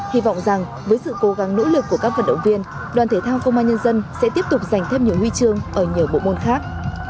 hy vọng rằng với sự cố gắng nỗ lực của các vận động viên đoàn thể thao công an nhân dân sẽ tiếp tục giành thêm nhiều huy chương ở nhiều bộ môn khác